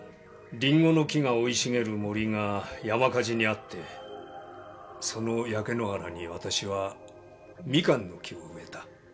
リンゴの木が生い茂る森が山火事に遭ってその焼け野原にわたしはミカンの木を植えた。